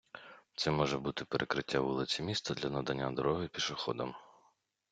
Це може бути перекриття вулиці міста для надання дороги пішоходам.